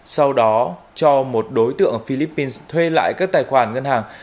sau đó cho một đối tượng ở philippines thuê lại các tài khoản ngân hàng